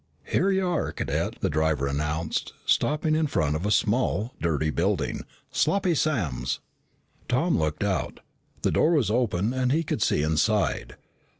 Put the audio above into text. "Here ya are, Cadet," the driver announced, stopping in front of a small, dirty building. "Sloppy Sam's." Tom looked out. The door was open and he could see inside.